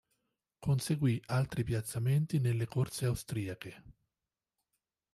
Conseguì altri piazzamenti nelle corse austriache.